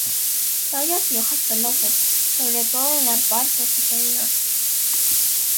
Tallos y hojas pelosos, sobre todo en la parte superior.